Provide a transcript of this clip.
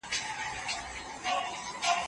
نه زامن وه نه یې وروڼه نه خپلوان وه